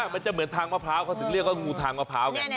มันจะเหมือนทางมะพร้าวเขาถึงเรียกว่างูทางมะพร้าวไง